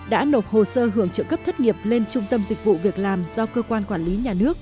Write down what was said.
đã nộp hồ sơ hưởng trợ cấp thất nghiệp lên trung tâm dịch vụ việc làm do cơ quan quản lý nhà nước